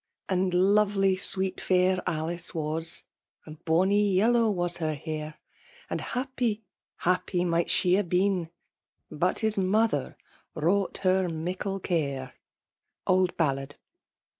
And lot ely sweet fair Alice wasj And bonnie yellow was her hair ; And hap{iy, happy, might she ha' been, But his mother wrought her miekle care. Old Ballad.